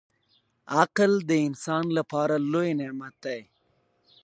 • عقل د انسان لپاره لوی نعمت دی.